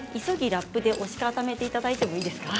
ラップで押し固めてもらってもいいですか。